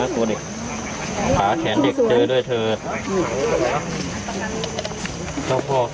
เจ้าที่เจ้าทางเจ้าป่าเจ้าเขาให้ลูกค้นหาตัวเด็กหาแขนเด็กเจอด้วยเถิด